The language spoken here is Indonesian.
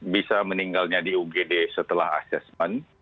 bisa meninggalnya di ugd setelah assessment